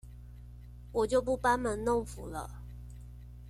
我就不班門弄斧了